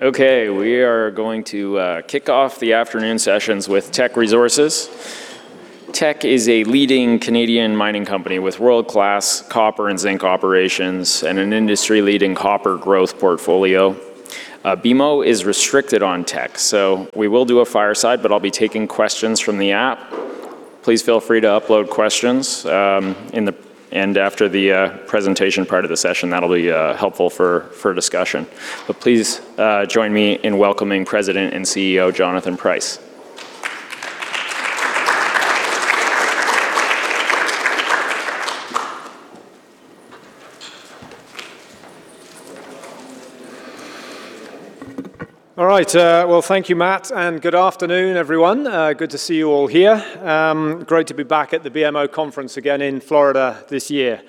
Okay, we are going to kick off the afternoon sessions with Teck Resources. Teck is a leading Canadian mining company with world-class copper and zinc operations and an industry-leading copper growth portfolio. BMO is restricted on Teck, so we will do a fireside, but I'll be taking questions from the app. Please feel free to upload questions in the and after the presentation part of the session. That'll be helpful for discussion. Please join me in welcoming President and CEO, Jonathan Price. All right, well, thank you, Matt, and good afternoon, everyone. Good to see you all here. Great to be back at the BMO conference again in Florida this year.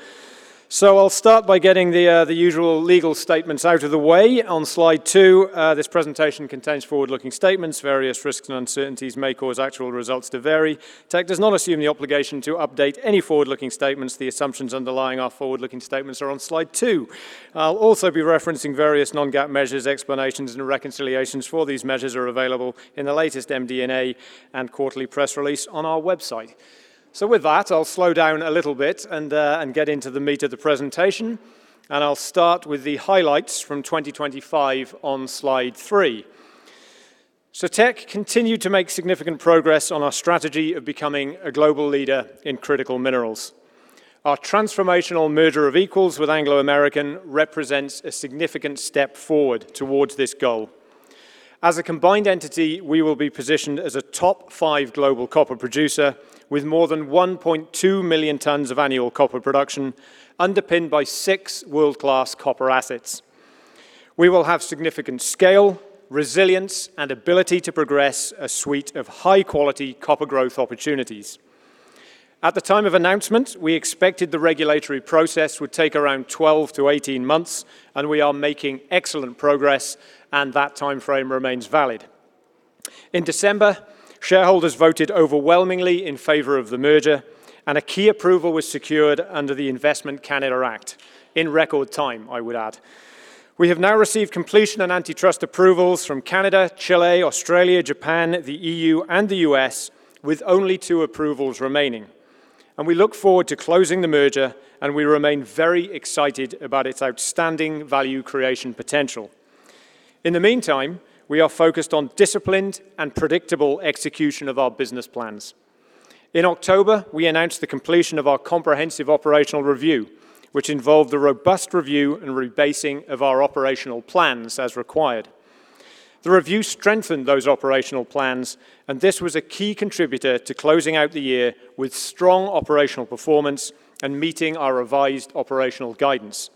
I'll start by getting the usual legal statements out of the way. On Slide 2, this presentation contains forward-looking statements. Various risks and uncertainties may cause actual results to vary. Teck does not assume the obligation to update any forward-looking statements. The assumptions underlying our forward-looking statements are onSlide 2. I'll also be referencing various non-GAAP measures. Explanations and reconciliations for these measures are available in the latest MD&A and quarterly press release on our website. With that, I'll slow down a little bit and get into the meat of the presentation, and I'll start with the highlights from 2025 on Slide 3. Teck continued to make significant progress on our strategy of becoming a global leader in critical minerals. Our transformational merger of equals with Anglo American represents a significant step forward towards this goal. As a combined entity, we will be positioned as a top five global copper producer with more than 1.2 million tons of annual copper production, underpinned by six world-class copper assets. We will have significant scale, resilience, and ability to progress a suite of high-quality copper growth opportunities. At the time of announcement, we expected the regulatory process would take around 12-18 months. We are making excellent progress, and that timeframe remains valid. In December, shareholders voted overwhelmingly in favor of the merger. A key approval was secured under the Investment Canada Act, in record time, I would add. We have now received completion and antitrust approvals from Canada, Chile, Australia, Japan, the EU, and the US, with only two approvals remaining, and we look forward to closing the merger, and we remain very excited about its outstanding value creation potential. In the meantime, we are focused on disciplined and predictable execution of our business plans. In October, we announced the completion of our comprehensive operational review, which involved a robust review and rebasing of our operational plans as required. The review strengthened those operational plans, and this was a key contributor to closing out the year with strong operational performance and meeting our revised operational guidance.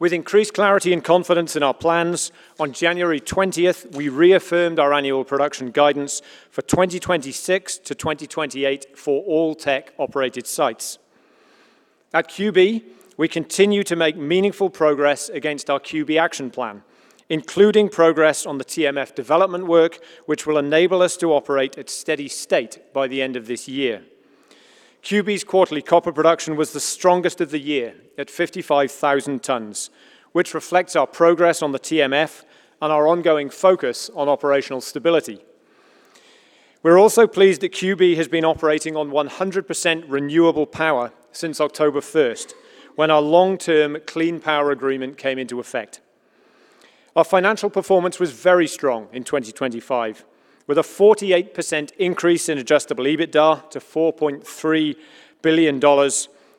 With increased clarity and confidence in our plans, on January 20th, we reaffirmed our annual production guidance for 2026 to 2028 for all Teck-operated sites. At QB, we continue to make meaningful progress against our QB action plan, including progress on the TMF development work, which will enable us to operate at steady state by the end of this year. QB's quarterly copper production was the strongest of the year at 55,000 tons, which reflects our progress on the TMF and our ongoing focus on operational stability. We're also pleased that QB has been operating on 100% renewable power since October 1st, when our long-term clean power agreement came into effect. Our financial performance was very strong in 2025, with a 48% increase in Adjusted EBITDA to $4.3 billion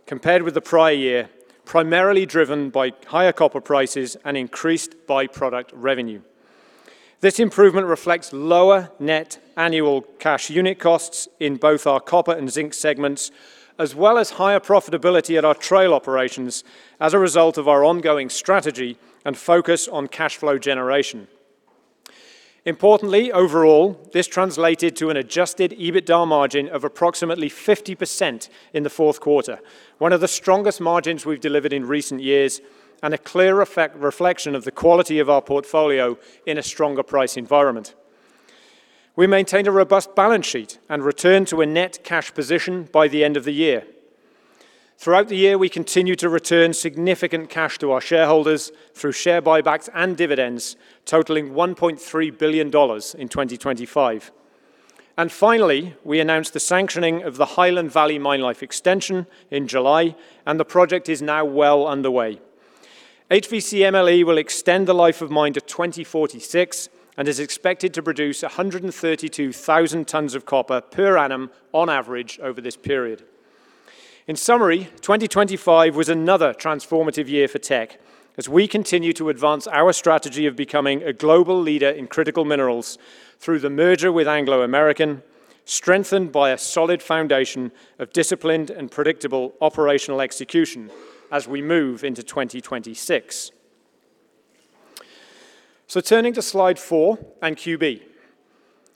compared with the prior year, primarily driven by higher copper prices and increased by-product revenue. This improvement reflects lower net annual cash unit costs in both our copper and zinc segments, as well as higher profitability at our Trail Operations as a result of our ongoing strategy and focus on cash flow generation. Importantly, overall, this translated to an Adjusted EBITDA margin of approximately 50% in the Q4, one of the strongest margins we've delivered in recent years, and a clear reflection of the quality of our portfolio in a stronger price environment. We maintained a robust balance sheet and returned to a net cash position by the end of the year. Throughout the year, we continued to return significant cash to our shareholders through share buybacks and dividends, totaling $1.3 billion in 2025. Finally, we announced the sanctioning of the Highland Valley Mine Life Extension in July, and the project is now well underway. HVC MLE will extend the life of mine to 2046 and is expected to produce 132,000 tons of copper per annum on average over this period. In summary, 2025 was another transformative year for Teck as we continue to advance our strategy of becoming a global leader in critical minerals through the merger with Anglo American, strengthened by a solid foundation of disciplined and predictable operational execution as we move into 2026. Turning to Slide 4 and QB.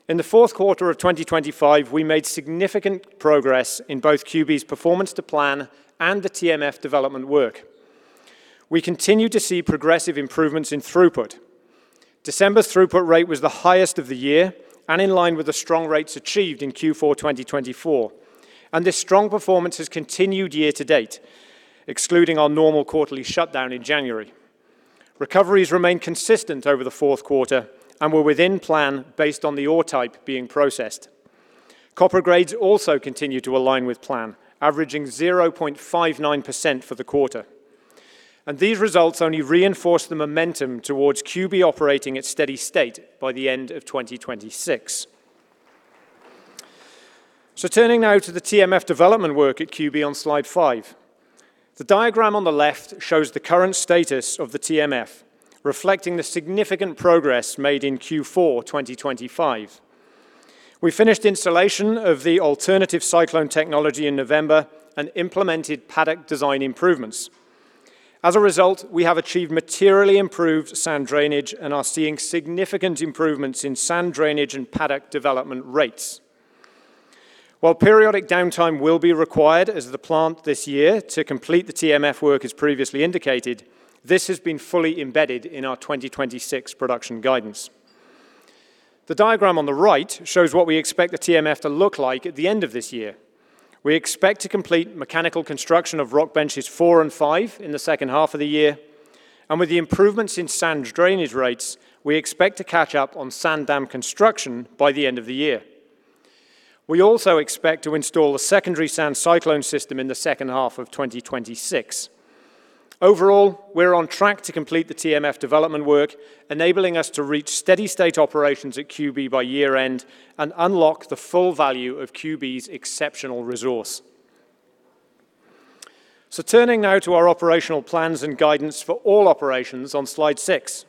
In the Q4 of 2025, we made significant progress in both QB's performance to plan and the TMF development work. We continue to see progressive improvements in throughput. December's throughput rate was the highest of the year and in line with the strong rates achieved in Q4 2024.... This strong performance has continued year to date, excluding our normal quarterly shutdown in January. Recoveries remained consistent over the Q4 and were within plan based on the ore type being processed. Copper grades also continued to align with plan, averaging 0.59% for the quarter. These results only reinforce the momentum towards QB operating at steady state by the end of 2026. Turning now to the TMF development work at QB on Slide 5. The diagram on the left shows the current status of the TMF, reflecting the significant progress made in Q4 2025. We finished installation of the alternative cyclone technology in November and implemented paddock design improvements. As a result, we have achieved materially improved sand drainage and are seeing significant improvements in sand drainage and paddock development rates. While periodic downtime will be required as the plant this year to complete the TMF work as previously indicated, this has been fully embedded in our 2026 production guidance. The diagram on the right shows what we expect the TMF to look like at the end of this year. With the improvements in sand drainage rates, we expect to complete mechanical construction of rock benches four and five in the second half of the year, we expect to catch up on sand dam construction by the end of the year. We also expect to install a secondary sand cyclone system in the second half of 2026. Overall, we're on track to complete the TMF development work, enabling us to reach steady state operations at QB by year-end and unlock the full value of QB's exceptional resource. Turning now to our operational plans and guidance for all operations on Slide 6.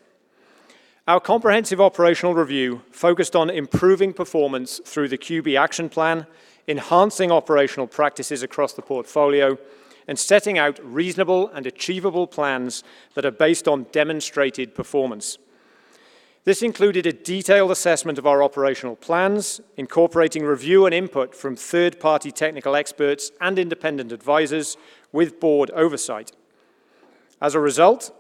Our comprehensive operational review focused on improving performance through the QB action plan, enhancing operational practices across the portfolio, and setting out reasonable and achievable plans that are based on demonstrated performance. This included a detailed assessment of our operational plans, incorporating review and input from third-party technical experts and independent advisors with board oversight. As a result,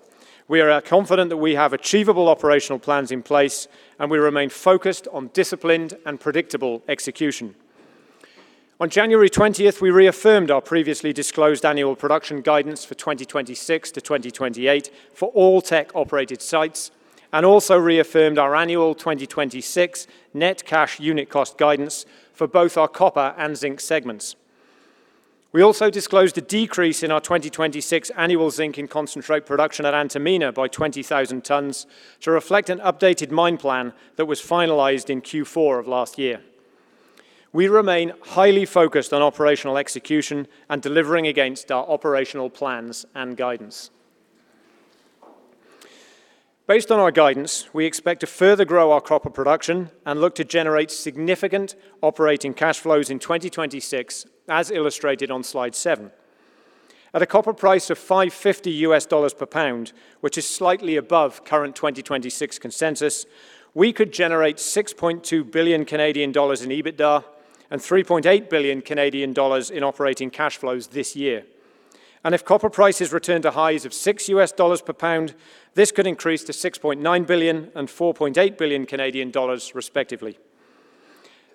we are confident that we have achievable operational plans in place, and we remain focused on disciplined and predictable execution. On January 20th, we reaffirmed our previously disclosed annual production guidance for 2026 to 2028 for all Teck-operated sites, and also reaffirmed our annual 2026 net cash unit cost guidance for both our copper and zinc segments. We also disclosed a decrease in our 2026 annual zinc and concentrate production at Antamina by 20,000 tons to reflect an updated mine plan that was finalized in Q4 of last year. We remain highly focused on operational execution and delivering against our operational plans and guidance. Based on our guidance, we expect to further grow our copper production and look to generate significant operating cash flows in 2026, as illustrated on Slide 7. At a copper price of $5.50 per pound, which is slightly above current 2026 consensus, we could generate 6.2 billion Canadian dollars in EBITDA and 3.8 billion Canadian dollars in operating cash flows this year. If copper prices return to highs of $6.00 per pound, this could increase to 6.9 billion and 4.8 billion Canadian dollars, respectively.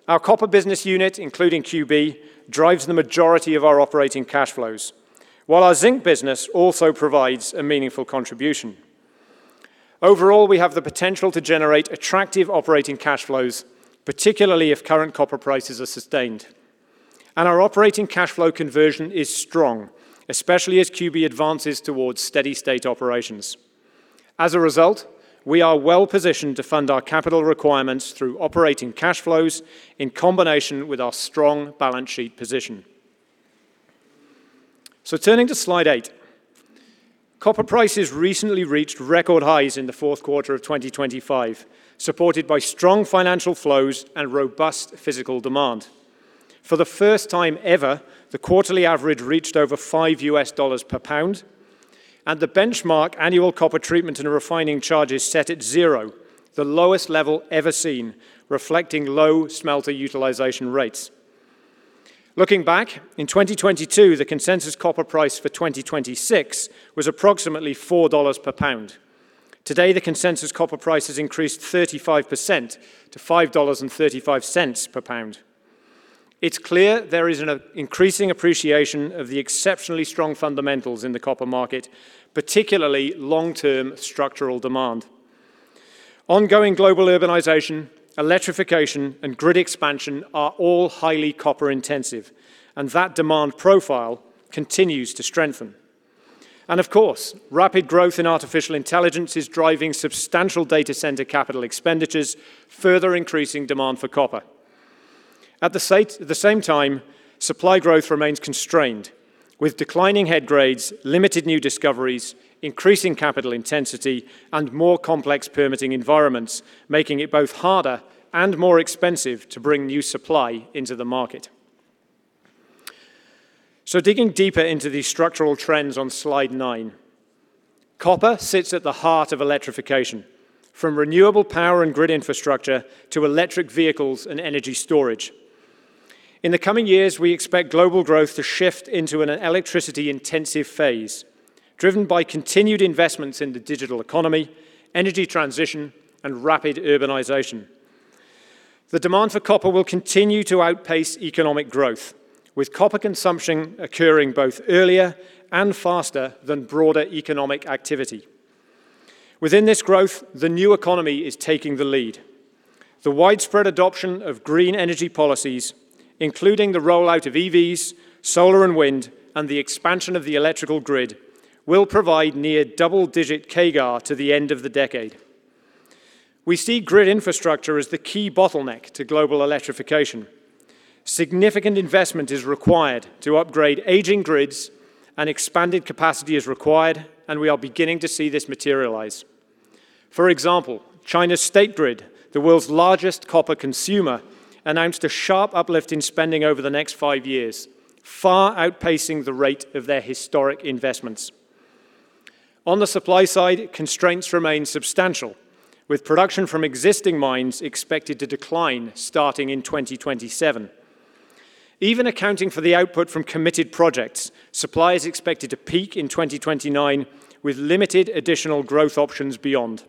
Our copper business unit, including QB, drives the majority of our operating cash flows, while our zinc business also provides a meaningful contribution. Overall, we have the potential to generate attractive operating cash flows, particularly if current copper prices are sustained. Our operating cash flow conversion is strong, especially as QB advances towards steady state operations. As a result, we are well positioned to fund our capital requirements through operating cash flows in combination with our strong balance sheet position. Turning to Slide 8. Copper prices recently reached record highs in the Q4 of 2025, supported by strong financial flows and robust physical demand. For the first time ever, the quarterly average reached over $5 per pound, and the benchmark annual copper treatment and refining charges set at 0, the lowest level ever seen, reflecting low smelter utilization rates. Looking back, in 2022, the consensus copper price for 2026 was approximately $4 per pound. Today, the consensus copper price has increased 35% to $5.35 per pound. It's clear there is an increasing appreciation of the exceptionally strong fundamentals in the copper market, particularly long-term structural demand. Ongoing global urbanization, electrification, and grid expansion are all highly copper-intensive. That demand profile continues to strengthen. Of course, rapid growth in artificial intelligence is driving substantial data center capital expenditures, further increasing demand for copper. At the same time, supply growth remains constrained, with declining head grades, limited new discoveries, increasing capital intensity, and more complex permitting environments, making it both harder and more expensive to bring new supply into the market. Digging deeper into these structural trends on Slide 9. Copper sits at the heart of electrification, from renewable power and grid infrastructure to electric vehicles and energy storage. In the coming years, we expect global growth to shift into an electricity-intensive phase. Driven by continued investments in the digital economy, energy transition, and rapid urbanization. The demand for copper will continue to outpace economic growth, with copper consumption occurring both earlier and faster than broader economic activity. Within this growth, the new economy is taking the lead. The widespread adoption of green energy policies, including the rollout of EVs, solar and wind, and the expansion of the electrical grid, will provide near double-digit CAGR to the end of the decade. We see grid infrastructure as the key bottleneck to global electrification. Significant investment is required to upgrade aging grids, and expanded capacity is required, and we are beginning to see this materialize. For example, China's State Grid, the world's largest copper consumer, announced a sharp uplift in spending over the next five years, far outpacing the rate of their historic investments. On the supply side, constraints remain substantial, with production from existing mines expected to decline starting in 2027. Even accounting for the output from committed projects, supply is expected to peak in 2029, with limited additional growth options beyond.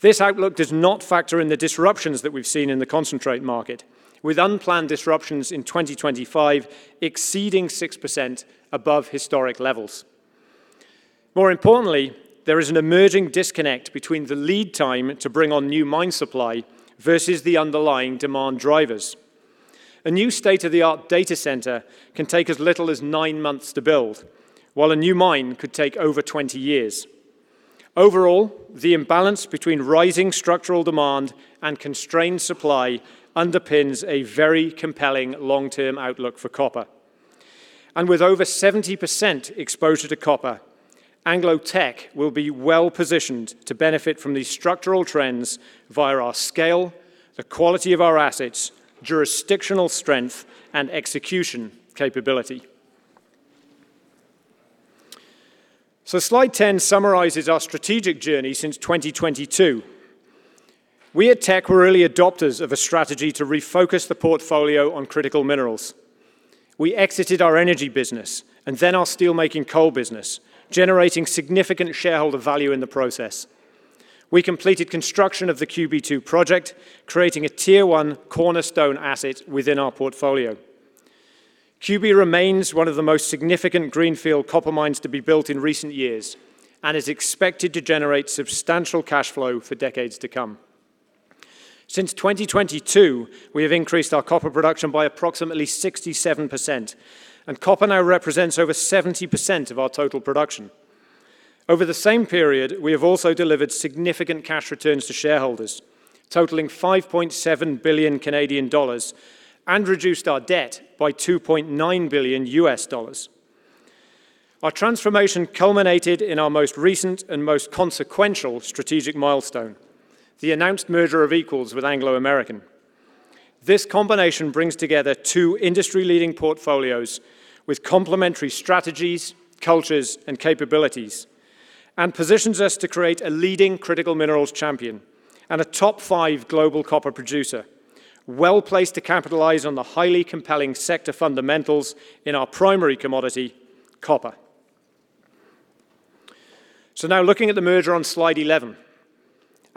This outlook does not factor in the disruptions that we've seen in the concentrate market, with unplanned disruptions in 2025 exceeding 6% above historic levels. More importantly, there is an emerging disconnect between the lead time to bring on new mine supply versus the underlying demand drivers. A new state-of-the-art data center can take as little as nine months to build, while a new mine could take over 20 years. Overall, the imbalance between rising structural demand and constrained supply underpins a very compelling long-term outlook for copper. With over 70% exposure to copper, Anglo-Teck will be well-positioned to benefit from these structural trends via our scale, the quality of our assets, jurisdictional strength, and execution capability. Slide 10 summarizes our strategic journey since 2022. We at Teck were early adopters of a strategy to refocus the portfolio on critical minerals. We exited our energy business and then our steelmaking coal business, generating significant shareholder value in the process. We completed construction of the QB2 project, creating a Tier One cornerstone asset within our portfolio. QB remains one of the most significant greenfield copper mines to be built in recent years and is expected to generate substantial cash flow for decades to come. Since 2022, we have increased our copper production by approximately 67%, and copper now represents over 70% of our total production. Over the same period, we have also delivered significant cash returns to shareholders, totaling 5.7 billion Canadian dollars, and reduced our debt by $2.9 billion. Our transformation culminated in our most recent and most consequential strategic milestone, the announced merger of equals with Anglo American. This combination brings together two industry-leading portfolios with complementary strategies, cultures, and capabilities, and positions us to create a leading critical minerals champion and a top 5 global copper producer, well-placed to capitalize on the highly compelling sector fundamentals in our primary commodity, copper. Now looking at the merger on Slide 11.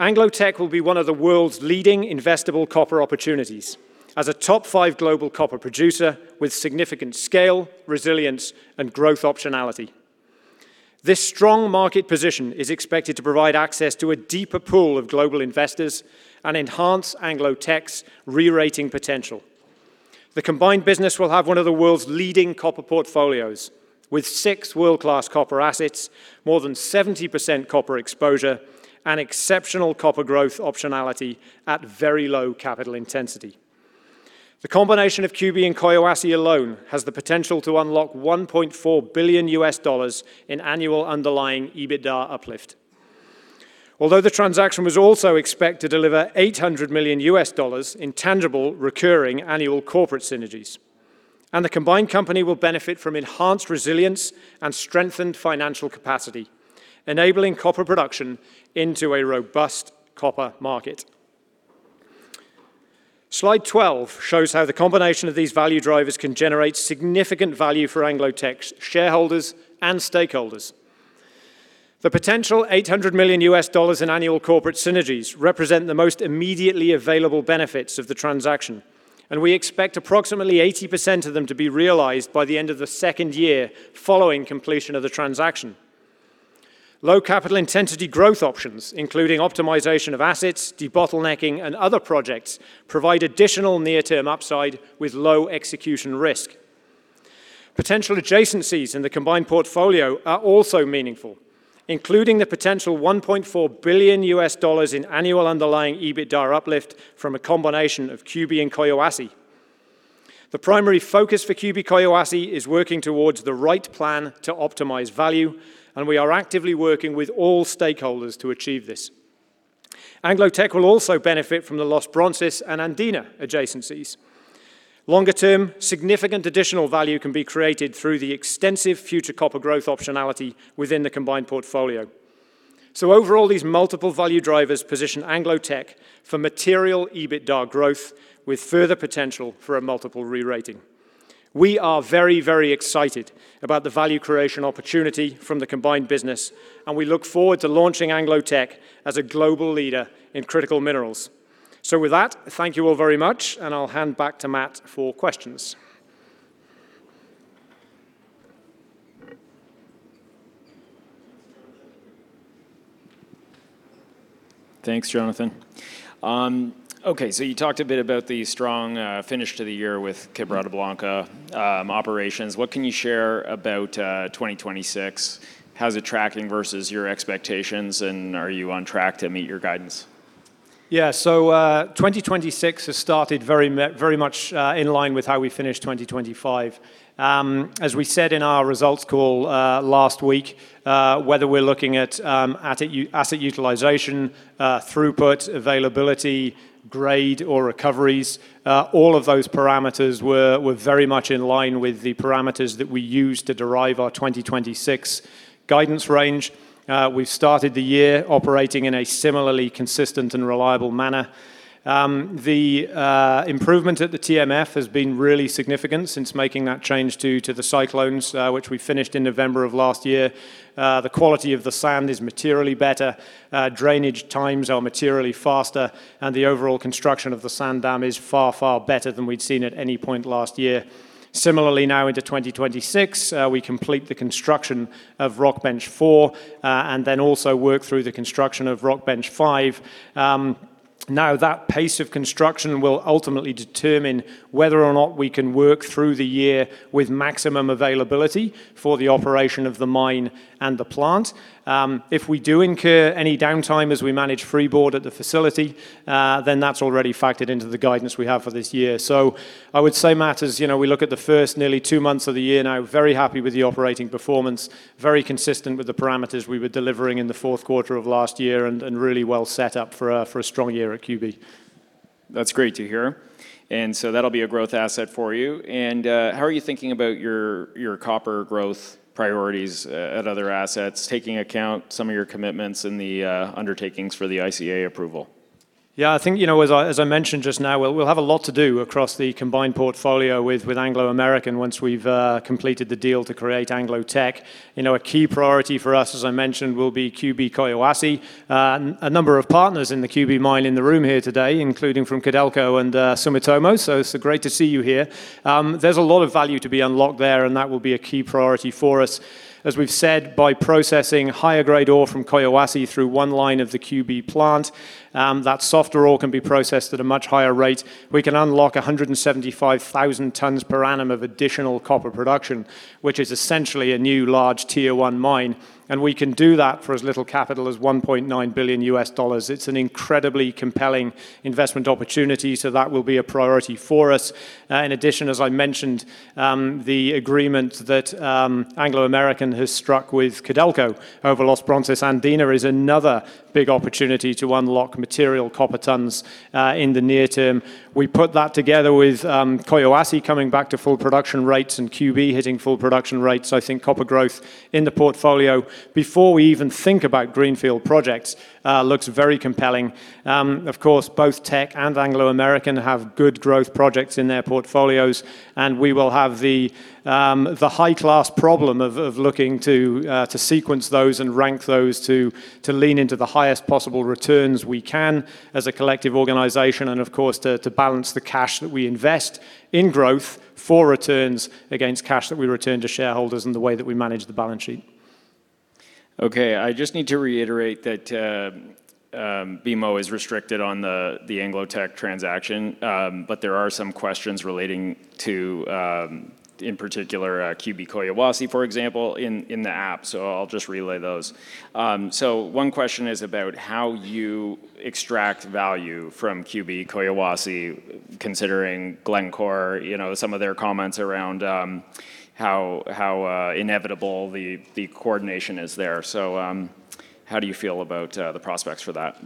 Anglo-Teck will be one of the world's leading investable copper opportunities as a top five global copper producer with significant scale, resilience, and growth optionality. This strong market position is expected to provide access to a deeper pool of global investors and enhance Anglo-Teck's re-rating potential. The combined business will have one of the world's leading copper portfolios, with six world-class copper assets, more than 70% copper exposure, and exceptional copper growth optionality at very low capital intensity. The combination of QB and Quellaveco alone has the potential to unlock $1.4 billion in annual underlying EBITDA uplift. The transaction was also expected to deliver $800 million in tangible, recurring annual corporate synergies. The combined company will benefit from enhanced resilience and strengthened financial capacity, enabling copper production into a robust copper market. Slide 12 shows how the combination of these value drivers can generate significant value for Anglo-Teck's shareholders and stakeholders. The potential $800 million in annual corporate synergies represent the most immediately available benefits of the transaction, and we expect approximately 80% of them to be realized by the end of the second year following completion of the transaction. Low capital intensity growth options, including optimization of assets, debottlenecking, and other projects, provide additional near-term upside with low execution risk. Potential adjacencies in the combined portfolio are also meaningful, including the potential $1.4 billion in annual underlying EBITDA uplift from a combination of QB and Quellaveco. The primary focus for QB Quellaveco is working towards the right plan to optimize value, and we are actively working with all stakeholders to achieve this. Anglo Tech will also benefit from the Los Bronces and Andina adjacencies. Longer term, significant additional value can be created through the extensive future copper growth optionality within the combined portfolio. Overall, these multiple value drivers position Anglo Tech for material EBITDA growth, with further potential for a multiple rerating. We are very, very excited about the value creation opportunity from the combined business, and we look forward to launching Anglo Tech as a global leader in critical minerals. With that, thank you all very much, and I'll hand back to Matt for questions. Thanks, Jonathan. Okay, you talked a bit about the strong finish to the year with Quebrada Blanca operations. What can you share about 2026? How's it tracking versus your expectations, and are you on track to meet your guidance? Yeah. 2026 has started very much in line with how we finished 2025. As we said in our results call last week, whether we're looking at asset utilisation, throughput, availability, grade, or recoveries, all of those parameters were very much in line with the parameters that we used to derive our 2026 guidance range. We've started the year operating in a similarly consistent and reliable manner. The improvement at the TMF has been really significant since making that change to the cyclones, which we finished in November of last year. The quality of the sand is materially better, drainage times are materially faster, and the overall construction of the sand dam is far, far better than we'd seen at any point last year. Similarly, now into 2026, we complete the construction of rock bench 4, and then also work through the construction of rock bench five. That pace of construction will ultimately determine whether or not we can work through the year with maximum availability for the operation of the mine and the plant. If we do incur any downtime as we manage freeboard at the facility, that's already factored into the guidance we have for this year. I would say, Matt, as, you know, we look at the first nearly 2 months of the year now, very happy with the operating performance, very consistent with the parameters we were delivering in the 4th quarter of last year, and, and really well set up for a, for a strong year at QB. That's great to hear, and so that'll be a growth asset for you. How are you thinking about your, your copper growth priorities at other assets, taking account some of your commitments and the undertakings for the ICA approval? Yeah, I think, you know, as I, as I mentioned just now, we'll, we'll have a lot to do across the combined portfolio with, with Anglo American once we've completed the deal to create Anglo-Teck. You know, a key priority for us, as I mentioned, will be QB Quellaveco. A number of partners in the QB mine in the room here today, including from Codelco and Sumitomo, so it's great to see you here. There's a lot of value to be unlocked there, and that will be a key priority for us. As we've said, by processing higher-grade ore from Quellaveco through one line of the QB plant, that softer ore can be processed at a much higher rate. We can unlock 175,000 tonnes per annum of additional copper production, which is essentially a new large Tier One mine, and we can do that for as little capital as $1.9 billion. It's an incredibly compelling investment opportunity. That will be a priority for us. In addition, as I mentioned, the agreement that Anglo American has struck with Codelco over Los Bronces Andina is another big opportunity to unlock material copper tonnes in the near term. We put that together with Quellaveco coming back to full production rates and QB hitting full production rates. I think copper growth in the portfolio, before we even think about greenfield projects, looks very compelling. Of course, both Teck and Anglo American have good growth projects in their portfolios, and we will have the high-class problem of, of looking to sequence those and rank those to, to lean into the highest possible returns we can as a collective organization, and of course, to, to balance the cash that we invest in growth for returns against cash that we return to shareholders and the way that we manage the balance sheet. Okay, I just need to reiterate that BMO is restricted on the Anglo-Teck transaction, but there are some questions relating to, in particular, QB Quellaveco, for example, in the app. I'll just relay those. One question is about how you extract value from QB Quellaveco, considering Glencore, you know, some of their comments around how, how inevitable the coordination is there. How do you feel about the prospects for that?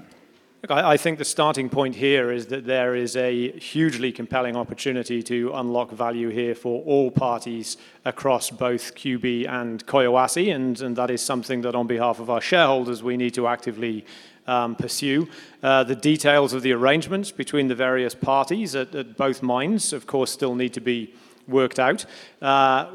Look, I, I think the starting point here is that there is a hugely compelling opportunity to unlock value here for all parties across both QB and Quellaveco, and, and that is something that, on behalf of our shareholders, we need to actively pursue. The details of the arrangements between the various parties at, at both mines, of course, still need to be worked out.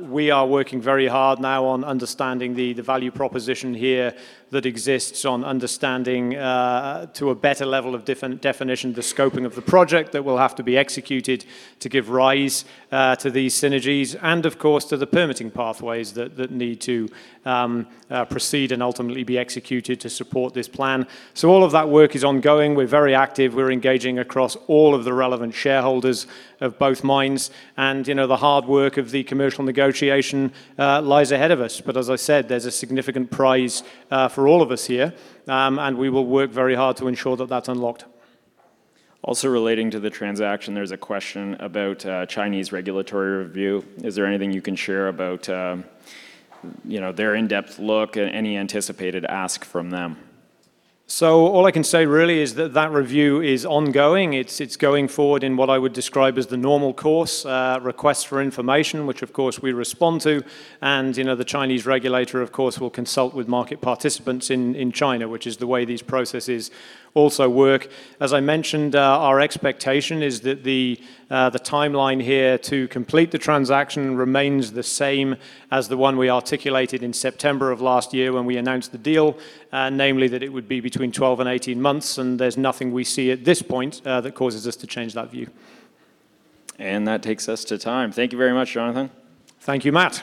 We are working very hard now on understanding the, the value proposition here that exists, on understanding to a better level of defin- definition, the scoping of the project that will have to be executed to give rise to these synergies, and of course, to the permitting pathways that, that need to proceed and ultimately be executed to support this plan. All of that work is ongoing. We're very active. We're engaging across all of the relevant shareholders of both mines, and, you know, the hard work of the commercial negotiation, lies ahead of us. As I said, there's a significant prize, for all of us here, and we will work very hard to ensure that that's unlocked. Also relating to the transaction, there's a question about Chinese regulatory review. Is there anything you can share about, you know, their in-depth look and any anticipated ask from them? All I can say really is that that review is ongoing. It's, it's going forward in what I would describe as the normal course. Requests for information, which of course, we respond to, and, you know, the Chinese regulator, of course, will consult with market participants in, in China, which is the way these processes also work. As I mentioned, our expectation is that the, the timeline here to complete the transaction remains the same as the one we articulated in September of last year when we announced the deal, namely, that it would be between 12 and 18 months, and there's nothing we see at this point, that causes us to change that view. That takes us to time. Thank you very much, Jonathan. Thank you, Matt.